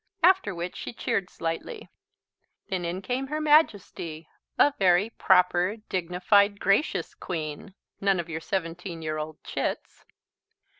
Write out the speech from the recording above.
after which she cheered slightly. Then in came Her Majesty, a very proper dignified gracious Queen none of your seventeen year old chits.